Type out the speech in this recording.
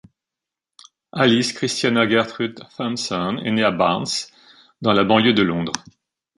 Alice Christiana Gertrude Thompson est née à Barnes, dans la banlieue de Londres.